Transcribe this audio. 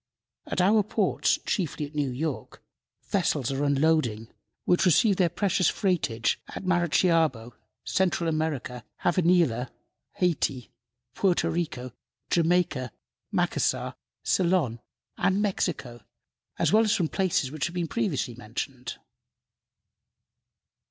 At our ports, chiefly at New York, vessels are unloading which received their precious freightage at Maracaibo, Central America, Savanilla, Hayti, Porto Rico, Jamaica, Macassar, Ceylon and Mexico, as well as from places which have been previously mentioned.